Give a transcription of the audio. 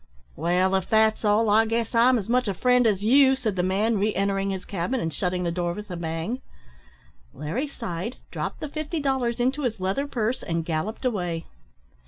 "Wall, if that's all, I guess I'm as much a friend as you," said the man, re entering his cabin, and shutting the door with a bang. Larry sighed, dropped the fifty dollars into his leather purse, and galloped away.